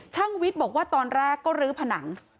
วิทย์บอกว่าตอนแรกก็ลื้อผนัง